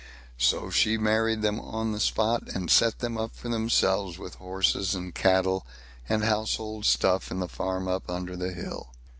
So she married them on the spot, and set them up for themselves, with horses, and cattle, and household stuff, in the farm up under the hill.